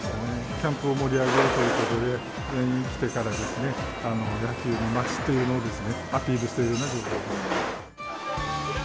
キャンプを盛り上げようということで、全員着てから、野球の町というのをアピールしていかなきゃいけないですね。